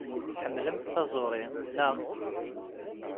Tḥemmlemt taẓuri, naɣ?